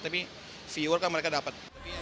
tapi viewer kan mereka dapat